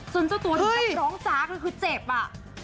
ส่วนเจ้าตัวที่กำลังร้องจากคือเจ็บอ่ะ